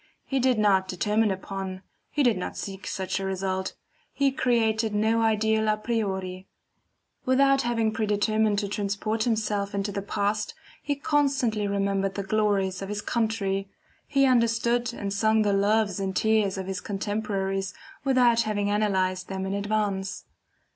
He did not determine upon, he did not seek such a result; he created no ideal a priori. Without having predetermined to transport himself into the past, he constantly remembered the glories of his country, he understood and sung the loves and tears of his contemporaries without having analyzed them in advance.